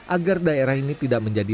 agar daya daya sungai tidak terlalu jauh